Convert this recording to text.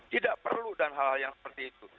tidak perlu dan hal hal yang seperti itu